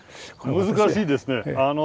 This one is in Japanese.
難しいですね。